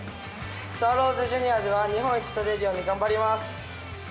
スワローズジュニアでは日本一取れるように頑張ります。